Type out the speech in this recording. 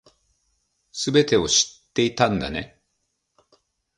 全てを知っていたんだね